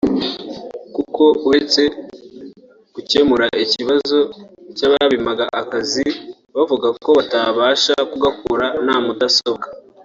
kuko uretse gukemura ikibazo cy’ababimaga akazi bavuga ko batabasha kugakora nta mudasobwa